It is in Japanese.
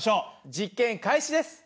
実験開始です！